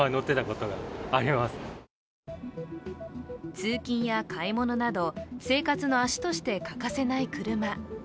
通勤や買い物など生活の足として欠かせない車。